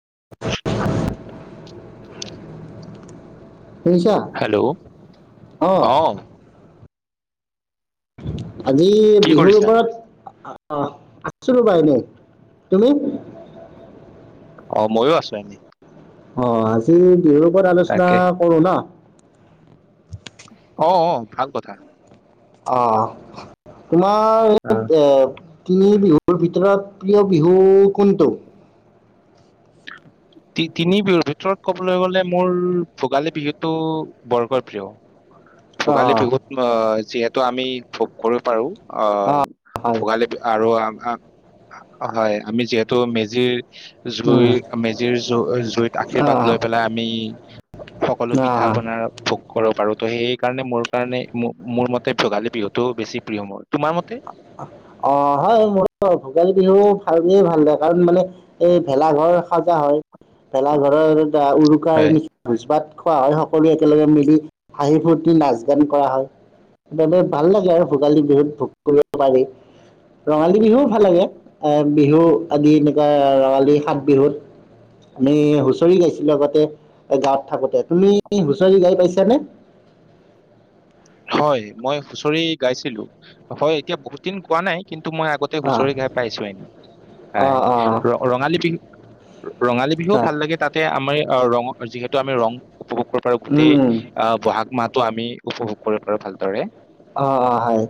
[inaudible] শুনিছা, হেল্ল' অহ। অ আজি কি বিহুৰ কৰিছা ওপৰত অ আছো ৰবা এনেই, তুমি? অ ময়ো আছো এনেই। অ আজি বিহু আলোচনা তাকে কৰো ন। অ অ ভাল কথা। অহ তোমাৰ আহ, এই এ তিনি বিহুৰ ভিতৰত প্ৰিয় বিহু কোনটো? তিনি বিহুৰ ভিতৰত ক'বলৈ গলে মোৰ ভোগালী বিহুতটো বৰকৈ প্ৰিয়। ভোগালী অঁ বিহুত যিহে ত আমি ভোগ কৰিব পাৰো। অ অঁ হয় ভোগালী আৰু অ হয় আমি যিহেতু মেজিৰ জুই উম, মেজিৰ জুই জুইত আশীৰ্বাদ অঁ লৈ পেলাই আমি সকলো পিঠা অঁ পনাৰ ভোগ কৰিব পাৰো ত' সেই সেই কাৰণে মোৰ কাৰণে মোৰ মতে ভোগালী বিহুতটোও বেছি প্ৰিয় মোৰ। তোমাৰ মতে অ হয় মোৰ ভোগালী বিহু ভাল বুলি ভা ভাল কাৰণ মানে এই ভেলা ঘৰ সাজা হয়। ভেলাঘৰৰ এ উৰুকাৰ হয় নিচ ভোজপাত খোৱা হয় সকলো একেলগে মিলি হাঁহি ফূৰ্তি, নাচ গান কৰা হয় সেইবাবে ভাল লাগে আৰু ভোগালী বিহুত ভ কৰিব পাৰি ৰঙালী বিহুও ভাল লাগে এ বিহু আদি এনেকুৱা ৰঙালী সাত বিহুত আমি হুঁচৰি গাইছিলো লগতে গাঁৱত থাকোতে। তুমি হুচৰি গাই পাইছা? কেনে? হয় মই হুচৰি গাইছিলো, হয় এতিয়া বহুত দিন গোৱা নাই কিন্তু মই আগতে অ হুঁচৰি গাই পাইছো এনে অ হয় অ ৰঙালী বিহুত ৰঙালী বিহুও হয় ভাল লাগে তাতে আমাৰ অ ৰঙ যিহেতু আমি ৰং উপভোগ কৰিব পাৰ গোটেই উম আহ বহাগ মাহ আমি উপভোগ। কৰিব পাৰো ভালদৰে। অ, অ, হয়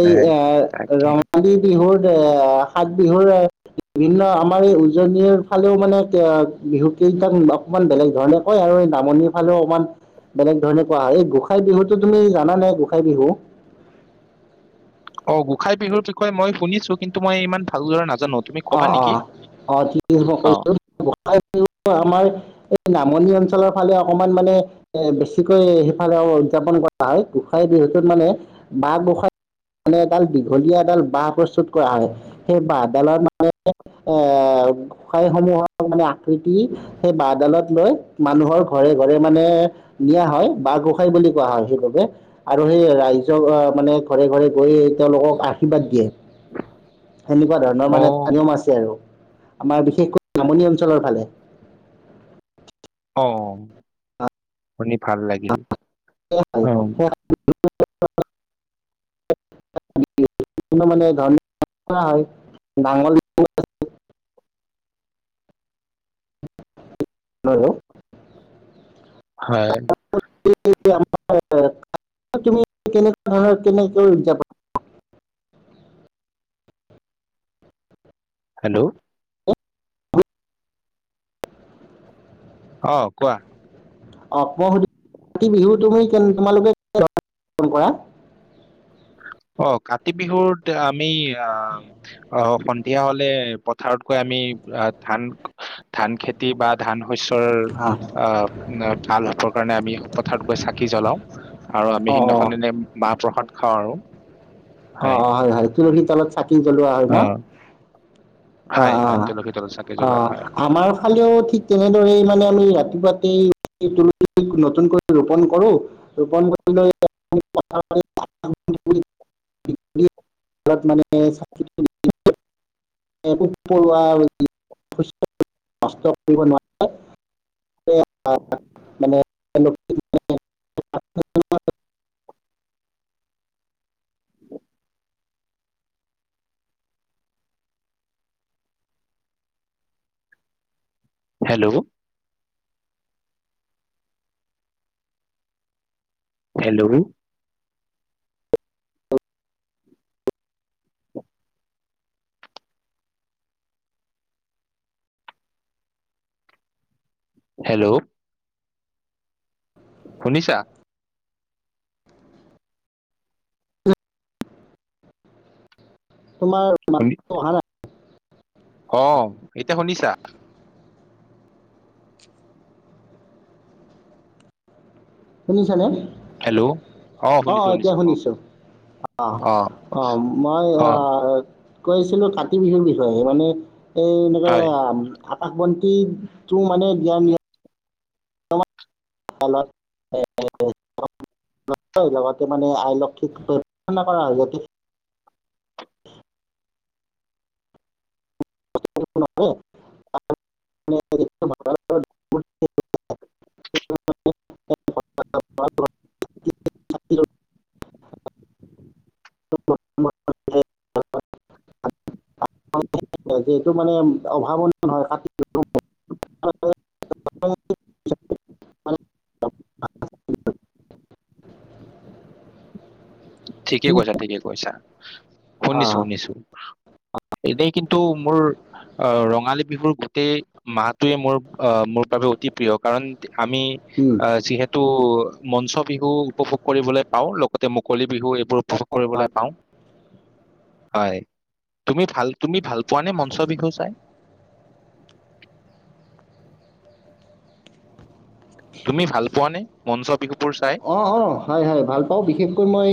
এই হয়, এ তাকে ৰঙালী বিহুৰ। এ সাত বিহুৰে বিভিন্ন আমাৰ এই উজনিৰ ফালেও মানে বিহু কেইটাক অকমান বেলেগ ধৰণে কয় আৰু নামনিৰ ফালেও অকমান বেলেগ ধৰণে কোৱা হয় এই গোসাই বিহুতো তুমি জানা নে গোস খাই বিহু। অ গোসাই বিহুৰ বিষয়ে মই শুনিছো কিন্তু মই ইমান ভালদৰে নাজানো তুমি অ, কবা অ, নেকি অ, ঠিক আছে মই অ কৈছো গোঁসাই বিহুটো আমাৰ নামনি অঞ্চলৰ ফালে অকমান মানে এ বেছিকৈ সেইফালে উদযাপন কৰা হয়। গোসাই বিহুটোত মানে বাহ গোঁসাই মানে এডাল দীঘলীয়া এডাল বাঁহ প্ৰস্তুত কৰা হয় সেই বাঁহ। ডালত মানে এ গোসাই সমূহক মানে আকৃতি সেই বাঁহডালত লৈ মানুহৰ ঘৰে ঘৰে মানে নিয়া হয় বাঁহ গোসাই বুলি কোৱা হয় সেইটোকে আৰু সেই ৰাইজক আহ মানে ঘৰে ঘৰে গৈ তেওঁলোকক আশীৰ্বাদ দিয়ে সেনেকুৱা। নৰ অ মানে নিয়ম আছে আৰু। আমাৰ বিশেষকৈ নামনি অঞ্চলৰ ফালে। অ, শুনি ভাল লাগিল। হয়, অ হয়। [unintelligible] [unintelligible] মানে নাঙল হয়। হয়। তুমি কেনেকুৱা ধৰণৰ কেনেকৈ যাব। হেল্ল'। অ কোৱা। অ মই সুধিব বিচাৰিছোঁ বিহু তুমি তোমালোকে কেনে ধৰণে পালন কৰা অ কাতি বিহুত আমি অ অ সন্ধিয়া হলে পথাৰত গৈ আমি অ ধান ধান খেতি বা ধান শস্যৰ অ ভাল হ'বৰ কাৰণে আমি পথাৰত গৈ চাকি জলাওঁ আৰু আমি অ সিদিনাখন দিনেই মাহ প্ৰসাদ খাওঁ আৰু অ অ হয় হয় তুলসী তলত চাকি জ্বলোৱা হয় ন অ অ হয় অ হয় তুলসী তলত চাকি অ জ্বলোৱা হয় আমাৰ ফালেও ঠিক তেনেদৰে মানে আমি ৰাতিপুৱা তুলসি নতুনকৈ ৰোপন কৰো ৰোপন কৰি লৈ আমি পাথাৰত পাত তামোল দিবলৈ [inaudible] হেল্ল' হেল্ল' হেল্ল' শুনিছা তোমাৰ মান শুনি অহা নাই অ এতিয়া শুনিছা শুনিছানে হেল্ল' অ আহ শুনিছো এতিয়া অ শুনিছো আহ অ আহ মই অ আহ কৈছিলো কাতি বিহুৰ বিষয়ে মানে এই হয় এনেকৈয়াম আকাশবন্তিটো মানে দিয়া নিয়ম লগতে মানে আইলক্ষীকনা কৰা হয় যতে [unintelligible] নয় [unintelligible] [unintelligible] যিহেতু মানে অভাৱনীয় নহয় অ ঠিকে কৈছা ঠিকে কৈছা উ শুনিছো শুনিছো এনেই কিন্তু মোৰ আহ ৰঙালী বিহুৰ গোটেই মাহটোৱে মোৰ আহ মোৰ বাবে অতি প্ৰিয় কাৰণ আমি অঁ আহ যিহেতু মঞ্চ বিহু উপভোগ কৰিবলৈ পাওঁ লগতে মুকলি বিহু এইবোৰ উপ ভোগ কৰিবলৈ পাওঁ হয় তুমি ভাল তুমি ভাল পোৱানে মঞ্চ বিহু চাই। তুমি ভাল পোৱা নে মঞ্চ বিহু? অ অ হয় হয় ভাল পাওঁ বিশেষকৈ মই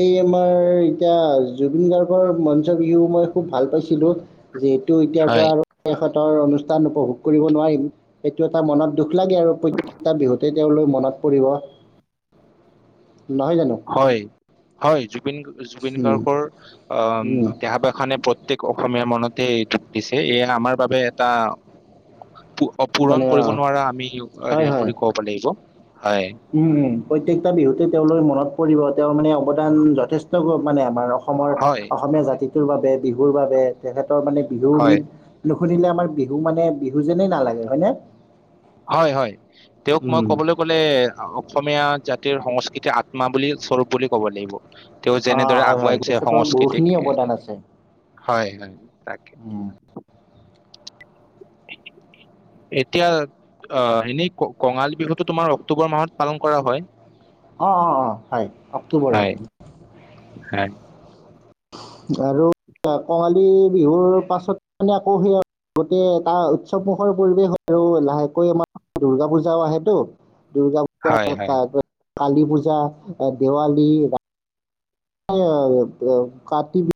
এই তোমাৰ এতিয়া জুবিন গাৰ্গৰ মঞ্চ বিহু মই খুব ভাল পাইছিলোঁ। যিহেটো এতিয়াৰ পৰা হয় আৰু শেষত অনুষ্ঠান উপভোগ কৰিব নোৱাৰিম সেইটো এটা মনত দুখ লাগে আৰু প্ৰত্যেকটা বিহুতে তেওঁলৈ মন পৰিব নহয় জানো হয় হয় জ জুবিন উম, গাৰ্গৰ আহ উম, দেহাবখানে প্ৰতেক অসমীয়া মনতে দুখ দিছে এয়া আমাৰ বাবে এটা মানে পূৰণ কৰিব অঁ নোৱাৰা আমি হয় হেৰি হয় বুলি কব লাগিব। হয় উম উম প্ৰত্যেকটা বিহুতে তেওঁ লোকৰ মনত পৰিব তেওঁ মানে অৱদান যথেষ্ট মানে আমাৰ অসমৰ হয়, অসমীয়া জাতি বাবে বিহুৰ বাবে তেখেতৰ মানে বিহু হয়, গীত সুধিলে আমাৰ বিহু মানে বিহু যেনেই নালাগে হয় নে হয় হয় তেওঁক মই ক'বলৈ গলে অসমীয়া জাতিৰ সংস্কৃতিৰ আত্মা বুলি স্বৰূপ বুলি ক'ব লাগিব তেওঁ অ, যেনেদৰে হয় আগুৱাই হয় গৈছে তেখেতৰ সংস্কৃতিক বহুখিনি এ অৱদান আছে । হয়, হয় । তাকে । এ অ, অ, অ, হয় অক্টোবৰত । হে আৰু কঙালী বিহুৰ পাছত মানে আকৌ সেই গোটেই এটা উৎসৱমুখৰ পৰিৱেশ হয় আৰু লাহেকৈ আমাৰ দূৰ্গা পূজাও আহেতো । দূৰ্গা পূজা হয়, তাৰ হয়, আগত । কালী পূজা, এ দেৱালী অ, অ, কাতি বি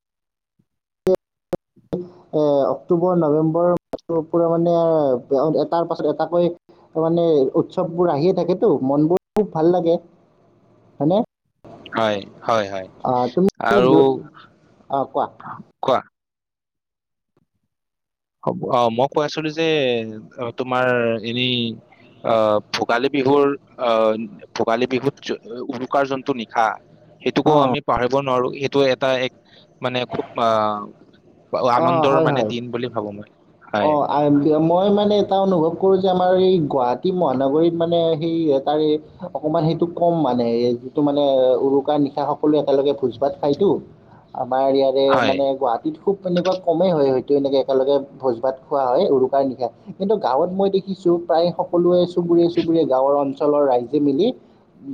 অ অক্টোবৰ, নৱেম্বৰ পৰা মানে এটাৰ পাছত এটাকৈ মানে উৎসৱবোৰ আহিয়ে থাকেতো, মনবোৰ খুব ভাল লাগে হয়নে? হয়, হয়, হয় আহ তুমি আৰু অ কোৱা কোৱা। অ, মই কৈ আছিলো যে তোমাৰ এনেই, আহ ভোগালী বিহুৰ, আহ ভোগালী বিহুত উৰুকাৰ জন্তু নিশা সেইটোকো অ', আমি পাহৰিব নোৱাৰো এইটো এটা এক, মানে খুব আহ অ', আনন্দৰ হয়, মানে হয়। দিন বুলি মই। অ, হয় মই মানে এটা অনুভৱ কৰো যে আমাৰ এই গুৱাহাটী মহানগৰীত মানে সেই তাৰে অকমান সেইটো কম মানে, যিটো মানে উৰুকাৰ নিশা সকলো একেলগে ভোজ ভাত খাইতো আমাৰ ইয়াৰে হয় মানে গুৱাহাটীত খুব এনেকুৱা কমেই হয় হয়। সেইটো সেনেকে একেলগে । ভোজ ভাত খোৱা হয় উৰুকাৰ নিশা কিন্তু গাঁৱত মই দেখিছো প্ৰায় সকলোৱে চুবুৰীয়ে চুবুৰীয়ে গাঁৱৰ অঞ্চ অঞ্চলৰ ৰাইজে মিলি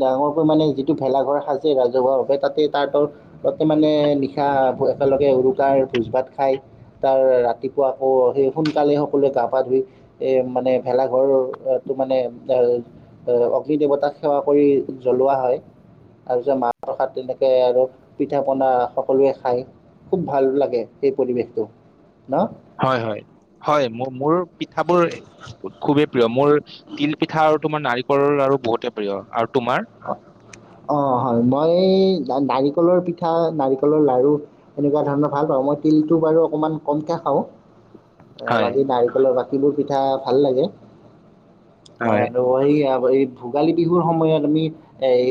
ডাঙৰকৈ মানে যিটো ভেলাঘৰ সাজে ৰাজহুৱাভাৱে তাতে তাৰ তাতে মানে নিশা একেলগে উৰুকাৰ ভোজ ভাত খাই তাৰ ৰাতি আকৌ সেই সোনকালে সকলোৱে গা পা ধুই এই মানে ভেলাঘৰটো মানে এ অগ্নি দেৱতাক সেৱা কৰি জ্বলোৱা হয়, তাৰপিছত মাহ প্ৰসাদ তেনেকে আৰু পিঠা পনা সকলোৱে খায়, খুব ভাল লাগে সেই পৰিৱেশটো ন । হয় হয়, হয় মোৰ মোৰো পি কথাবোৰ খুবেই প্ৰিয়, মোৰ তিল পিঠা আৰু ত আমাৰ নাৰিকলৰ লাৰু বহুতে প্ৰিয় আৰু তোমাৰ অ, অ, হয় মই মই, নাৰিকলৰ পিঠা, নাৰিকলৰ লাড়ু এনেকুৱা ধৰণৰ ভাল পাওঁ, মই তিলটো বাৰু অকণমান কমকৈ খাওঁ। অ, হয় বাকী নাৰিকলৰ বাকী বাকিবোৰ পিঠা ভাল লাগে । হয় আৰু সেইয়া এই ভোগালী বিহুৰ সময়ত আমি এই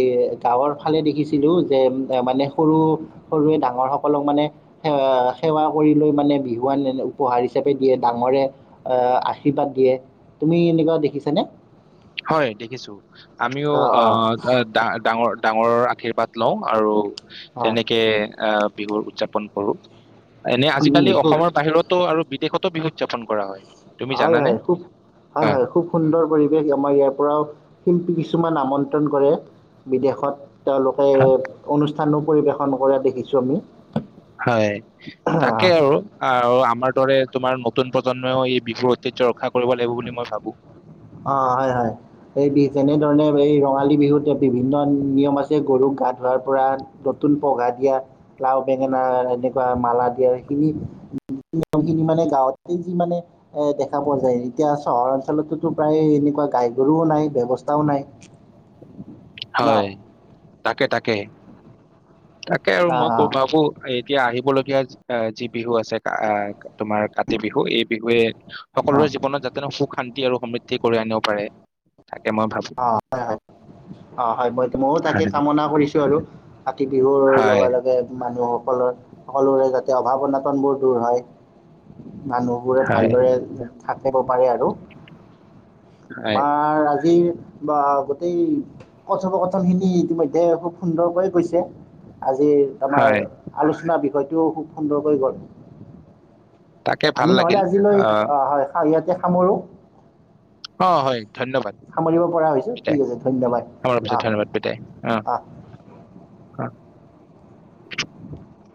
গাঁৱৰ ফালে দেখিছিলোঁ যে মানে সৰু সৰুৱে ডাঙৰ সকলক মানে সে সেৱা কৰি লৈ মানে বিহুৱান উপহাৰ হিচাপে দিয়ে ডাঙৰে আশীৰ্বাদ দিয়ে তুমি এনেকুৱা দেখিছানে? হয় দেখিছোঁ । আমিও অ ডা ডাঙৰ ডাঙৰৰ আশীৰ্বাদ লওঁ আৰু অ তেনেকে অহ বিহু উৎযাপন কৰোঁ‌ । এনে উম আজিকালি খুব অসমৰ বাহিৰতো আৰু বিদেশত তো বিহু উৎযাপন কৰা হয় । হয় হয় খুব হয় হয় খুব সুন্দৰ পৰিৱেশ আমাৰ ইয়াত । ধৰক শিল্পী কিছুমান আমন্ত্ৰণ কৰে । বিদেশত তেওঁলোকে হয় অনুষ্ঠ স্থানো পৰিবেশন কৰা দেখিছো আমি হয় তাকে আৰু আৰু আমাৰ দৰে তোমাৰ নতুন প্ৰজন্মও এই বিহুৰ ঐতিহ্য ৰখা কৰিব লাগিব বুলি মই ভাবো অ হয় হয় এই বি তেনেধৰণে এই ৰঙালী বিহুত বিভিন্ন নিয়ম আছে গৰুক গা ধোৱাৰ পৰা নতুন পঘা দিয়া লাও, বেঙেনা এনেকুৱা মালা দিয়া সেইখিনি নিয়ম খিনি মানে গাঁৱতে যি মানে এ দেখা পোৱা যায় এতিয়া চহৰ অঞ্চলতো প্ৰায় এনেকুৱা গাই গৰুও নাই ব্যৱস্থাও নাই ন হয় তাকে তাকে তাকে আৰু মই অঁ ভাবো এতিয়া আহিবলৈ আহ যি বিহু আছে আহ তোমাৰ কাতি বিহু এই বিহুৱে অঁ অঁ সকলোৰে জীৱনত যাতে ন সুখ শান্তি আৰু সমৃদ্ধি কৰি আনিব পাৰে তাকে মই ভাবো অ হয় মই ময়ো তাকে কামনা কৰিছো আৰু কাতি বিহুৰ হয় লগে লগে মানুহসকলৰ সকলোৰে যাতে অভাৱ অনাটনবোৰ দূৰ হয় মানুহ বোৰে হয় ভালদৰে থাকিব পাৰি আৰু হয় আমাৰ আজি বা গোটেই কথপকথন খিনি ইতিমধ্যে খুব সুন্দৰকৈ গৈছে আজিৰ আমাৰ হয় আলোচনা বিষয়ে হয়টোও খুব সুন্দৰকৈ গ'ল তাকে ভাল আমি নহলে লাগিল আজিলৈ আহ অ হয় ইয়াতে সামৰো অ হয় ধন্যবাদ, সামৰিব পৰা হৈছো বিদাই, ঠিক আছে ধন্যবাদ আমাৰ পাছত আহ ধন্যবাদ বিদাই অ আহ। । অ। [inaudible]